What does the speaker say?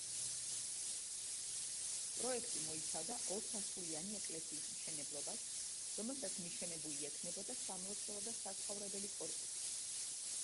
პროექტი მოიცავდა ორსართულიანი ეკლესიის მშენებლობას, რომელსაც მიშენებული ექნებოდა სამლოცველო და საცხოვრებელი კორპუსი.